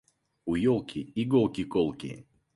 У елки иголки колки.